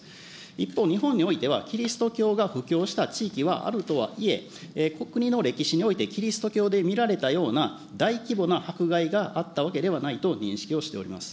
一方、日本においてはキリスト教が布教した地域はあるとはいえ、国の歴史において、キリスト教で見られたような大規模な迫害があったわけではないと認識をしております。